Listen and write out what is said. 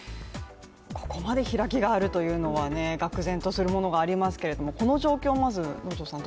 ここまで開きがあるというのは愕然とするものがありますけれどもこの状況をまず能條さん